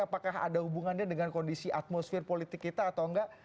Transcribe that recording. apakah ada hubungannya dengan kondisi atmosfer politik kita atau enggak